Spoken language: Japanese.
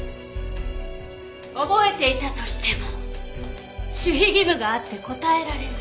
覚えていたとしても守秘義務があって答えられない。